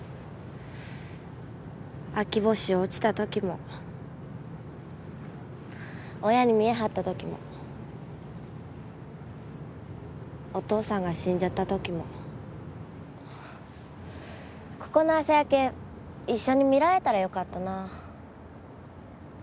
秋募集落ちたときも親に見え張ったときもお父さんが死んじゃったときもここの朝焼け一緒に見られたらよかったな。